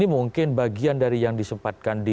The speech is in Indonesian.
itu mungkin bagian dari yang disempatkan dikirim